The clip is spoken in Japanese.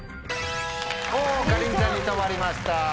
かりんちゃんに止まりました。